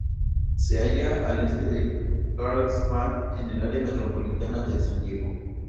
Se halla al este de Carlsbad en el área metropolitana de San Diego.